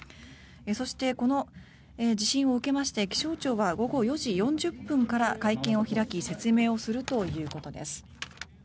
そしてこの地震を受けまして気象庁は午後４時４０分から会見を開き説明をするということです。